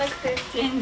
全然。